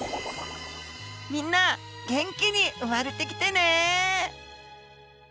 みんな元気に生まれてきてね。